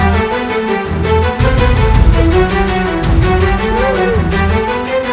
dan sempurnakanlah kekuatanku